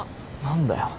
何だよ。